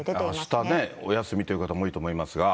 あしたね、お休みという方も多いと思いますが。